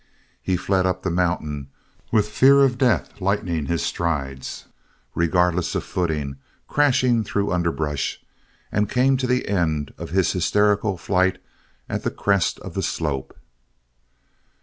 He fled up the mountain with fear of death lightening his strides, regardless of footing, crashing through underbrush, and came to the end of his hysterical flight at the crest of the slope.